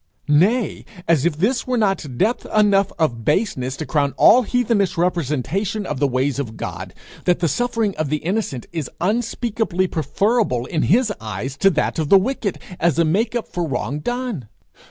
nay, as if this were not depth enough of baseness to crown all heathenish representation of the ways of God, that the suffering of the innocent is unspeakably preferable in his eyes to that of the wicked, as a make up for wrong done!